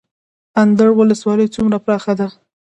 اندړ ولسوالۍ څومره پراخه ده؟